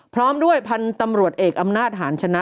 พร้อมด้วยพันธุ์ตำรวจเอกอำนาจหาญชนะ